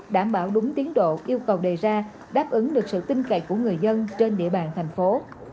đảm bảo đúng tiến độ yêu cầu đề ra đáp ứng được sự tin cậy của người dân trên địa bàn thành phố